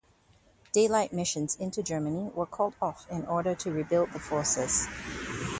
Daylight missions into Germany were called off in order to rebuild the forces.